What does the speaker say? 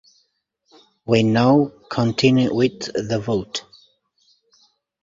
We now continue with the vote.